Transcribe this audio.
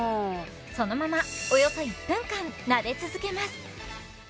そのままおよそ１分間なで続けます